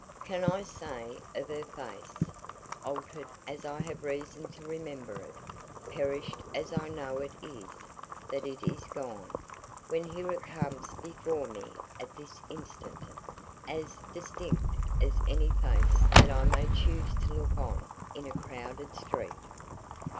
Can I say of her face altered as I have reason to remember it, perished as I know it is that it is gone, when here it comes before me at this instant, as distinct as any face that I may choose to look on in a crowded street?